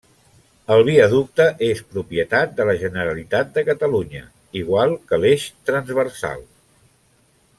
El viaducte és propietat de la Generalitat de Catalunya, igual que l'Eix Transversal.